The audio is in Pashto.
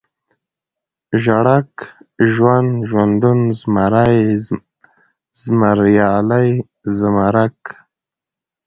ژړک ، ژوند ، ژوندون ، زمری ، زمريالی ، زمرک